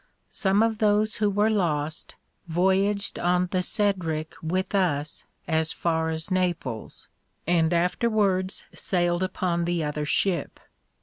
Some of those who were lost, voyaged on the "Cedric" with us as far as Naples and afterwards sailed upon the other ship.